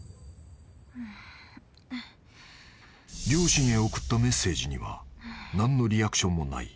［両親へ送ったメッセージには何のリアクションもない］